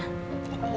makasih mbak andin